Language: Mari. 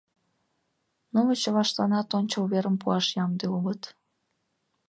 Нуно чылаштланат ончыл верым пуаш ямде улыт.